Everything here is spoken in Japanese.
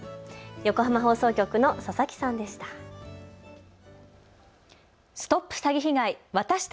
横浜放送局の佐々木さんでした。